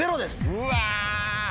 うわ！